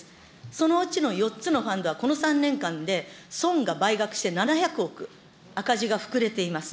そのうちの４つのファンドはこの３年間で損が倍額して７００億、赤字が膨れています。